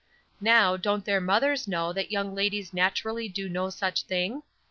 Now, don't their mothers know that young ladies naturally do no such thing?